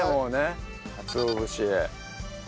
かつお節。